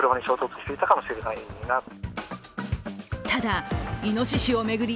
ただ、いのししを巡り